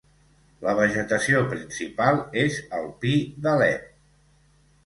La vegetació principal és el pi d'Alep.